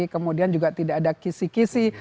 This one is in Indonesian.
kemudian juga tidak ada kisi kisi